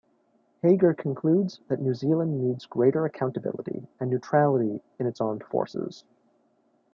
Hager concludes that New Zealand needs greater accountability and neutrality in its armed forces.